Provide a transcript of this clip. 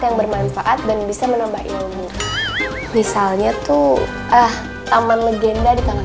yang bermanfaat dan bisa menambah ilmu misalnya tuh ah taman legenda di taman